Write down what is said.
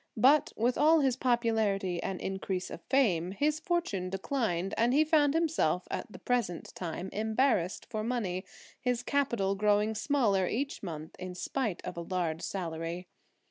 But with all his popularity and increase of fame, his fortune declined, and he found himself at the present time embarrassed for money, his capital growing smaller each month in spite of a large salary.